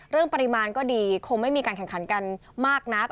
เรื่องปริมาณก็ดีคงไม่มีการแข่งขันกันมากนัก